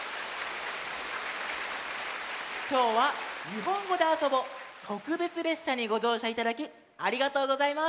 きょうは「にほんごであそぼ」とくべつれっしゃにごじょうしゃいただきありがとうございます。